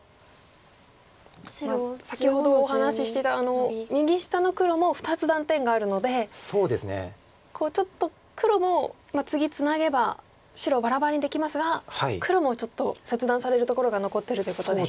先ほどお話ししていた右下の黒も２つ断点があるのでちょっと黒も次ツナげば白をバラバラにできますが黒もちょっと切断されるところが残ってるということで。